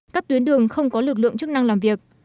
các tuyến đường không có lực lượng chức năng làm việc